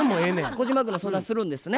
小島君の相談するんですね？